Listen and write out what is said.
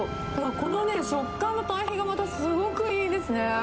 このね、食感の対比がまたすごくいいですね。